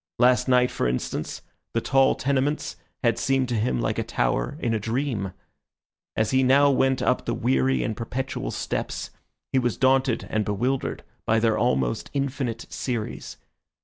Last night, for instance, the tall tenements had seemed to him like a tower in a dream. As he now went up the weary and perpetual steps, he was daunted and bewildered by their almost infinite series.